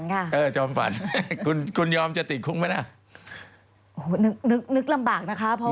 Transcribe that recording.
บอกว่าคือตอนนี้เขามีกิจกรรมต่างที่จะทำให้ลูกสีนลูกหาไปร่วมกันสวดมนต์